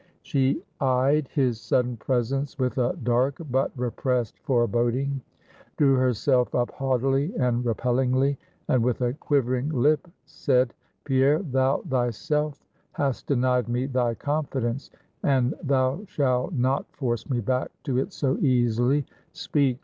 She eyed his sudden presence with a dark but repressed foreboding; drew herself up haughtily and repellingly, and with a quivering lip, said, "Pierre, thou thyself hast denied me thy confidence, and thou shall not force me back to it so easily. Speak!